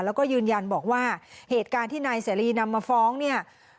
แล้วก็ยืนยันบอกว่าเหตุการณ์ที่นายเสรีนำมาฟ้องเนี่ย